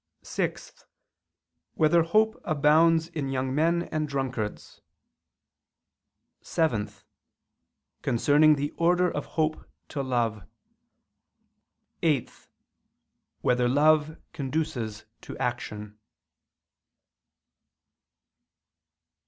(6) Whether hope abounds in young men and drunkards? (7) Concerning the order of hope to love; (8) Whether love conduces to action?